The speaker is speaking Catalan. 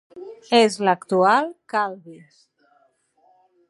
És l'actual Calvi.